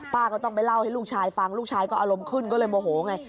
ก็ต้องไปเล่าให้ลูกชายฟังลูกชายก็อารมณ์ขึ้นก็เลยโมโหไง